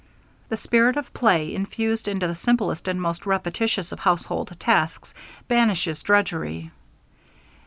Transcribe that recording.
The spirit of play infused into the simplest and most repetitious of household tasks banishes drudgery.